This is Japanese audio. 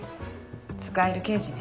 使える刑事ね。